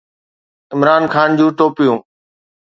عمران خان جون ٽوپيون